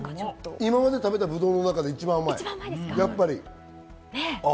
今まで食べたブドウの中で一番甘い。